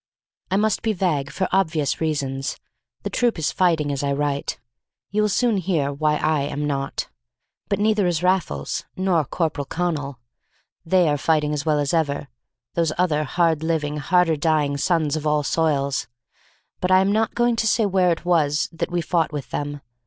I must be vague, for obvious reasons. The troop is fighting as I write; you will soon hear why I am not; but neither is Raffles, nor Corporal Connal. They are fighting as well as ever, those other hard living, harder dying sons of all soils; but I am not going to say where it was that we fought with them.